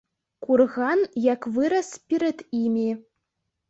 Курган як вырас перад імі.